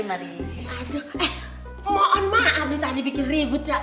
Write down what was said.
aduh eh mohon maaf nih tadi bikin ribut ya